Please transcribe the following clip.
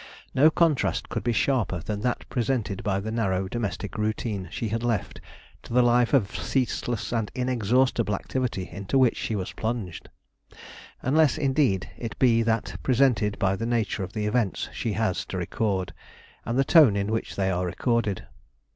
No contrast could be sharper than that presented by the narrow domestic routine she had left to the life of ceaseless and inexhaustible activity into which she was plunged;—unless, indeed, it be that presented by the nature of the events she has to record, and the tone in which they are recorded.